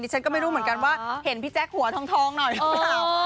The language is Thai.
ฉันก็ไม่รู้เหมือนกันว่าเห็นพี่แจ๊คหัวทองหน่อยหรือเปล่า